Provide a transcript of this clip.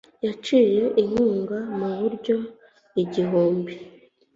Yaciye inkunga mu buryo igihumbi,